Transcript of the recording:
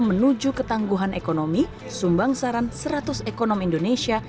menuju ketangguhan ekonomi sumbang saran seratus ekonomi indonesia